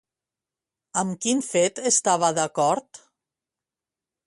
Amb quin fet estava d'acord?